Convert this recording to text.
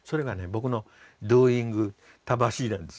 僕のドゥーイング魂なんですよ。